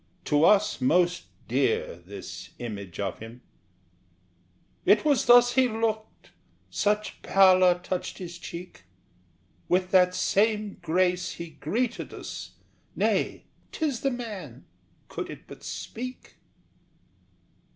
To us most dear This image of him! "It was thus He looked; such pallor touched his cheek; With that same grace he greeted us Nay, 'tis the man, could it but speak!"